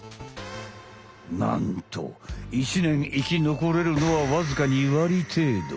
なんと１ねん生き残れるのはわずか２割程度。